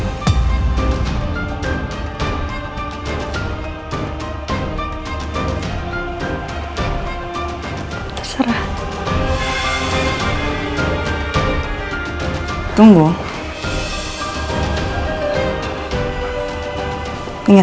kalo saya gak punya buktinya